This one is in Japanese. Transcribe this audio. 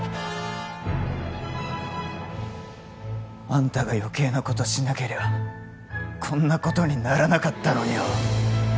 あんたが余計なことしなけりゃこんなことにならなかったのによ。